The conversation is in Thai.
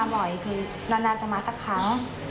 แต่ก็ไม่ทราบว่าของลักษณ์มาจากที่ไหนเหมือนกัน